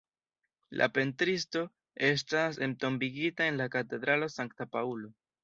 La pentristo estas entombigita en la katedralo Sankta Paŭlo.